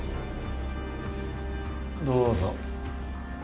どうぞ。